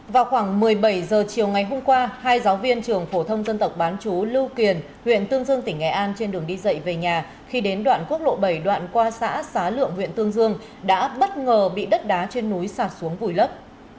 vào khoảng một mươi bảy h chiều ngày hôm qua hai giáo viên trường phổ thông dân tộc bán chú lưu kiền huyện tương dương tỉnh nghệ an trên đường đi dậy về nhà khi đến đoạn quốc lộ bảy đoạn qua xã xá lượng huyện tương dương đã bất ngờ bị đất đá trên núi sạt xuống vùi lấp